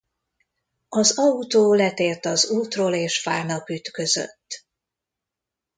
Az autó letért az útról és fának ütközött.